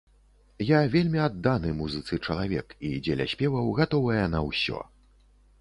Я вельмі адданы музыцы чалавек і дзеля спеваў гатовая на ўсё.